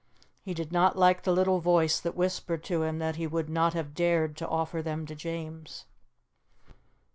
He did not like the little voice that whispered to him that he would not have dared to offer them to James.